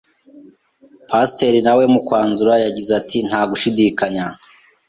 Pasteur nawe mu kwanzura yagize ati :" Nta gushidikanya